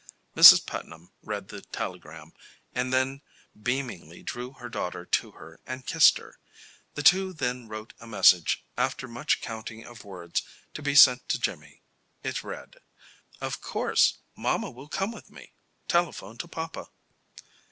Mrs. Putnam read the telegram, and then beamingly drew her daughter to her and kissed her. The two then wrote a message, after much counting of words, to be sent to Jimmy. It read: "Of course. Mama will come with me. Telephone to papa."